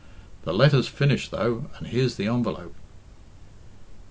"The letter's finished, though and here's the envelope."